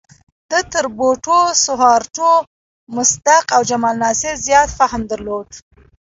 ده تر بوټو، سوهارتو، مصدق او جمال ناصر زیات فهم درلود.